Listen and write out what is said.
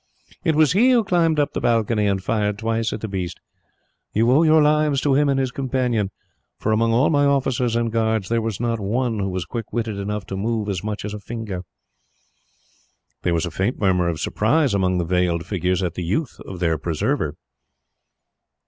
It was he who climbed up the balcony, and fired twice at the beast. You owe your lives to him and his companion, for among all my officers and guards there was not one who was quick witted enough to move as much as a finger." There was a faint murmur of surprise, among the veiled figures, at the youth of their preserver.